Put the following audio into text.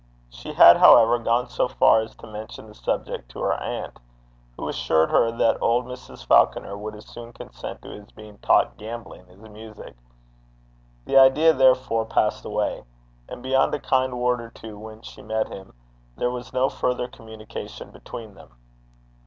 She had, however, gone so far as to mention the subject to her aunt, who assured her that old Mrs. Falconer would as soon consent to his being taught gambling as music. The idea, therefore, passed away; and beyond a kind word or two when she met him, there was no further communication between them.